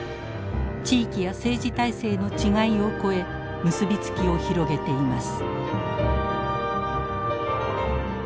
地域や政治体制の違いを超え結び付きを広げています。